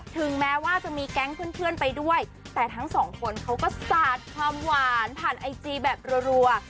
ถึงแม้ว่าจะมีแก๊งเพื่อนไปด้วยแต่ทั้งสองคนเขาก็สาดความหวานผ่านไอจีแบบรัว